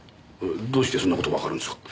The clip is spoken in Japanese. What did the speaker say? どうしてそんな事わかるんですか？